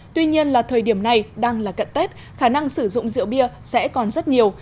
tuy nhiên là thời điểm này đang là cận tết khả năng sử dụng rượu bia sẽ còn rất nhiều